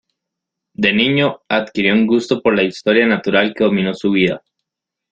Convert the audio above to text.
De niño, adquirió un gusto por la historia natural que dominó su vida.